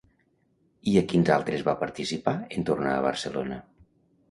I a quins altres va participar en tornar a Barcelona?